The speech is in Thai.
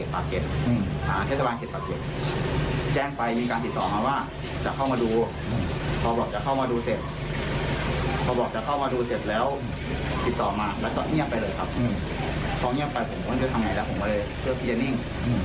พอเงียบไปผมก็ไม่คิดว่าทำไงแล้วผมก็เลยคิดว่าจะนิ่ง